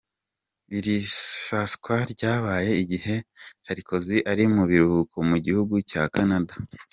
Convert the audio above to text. Iri sakwa ryabaye igihe Sarkozy ari mu biruhuko mu gihugu cya Kanada.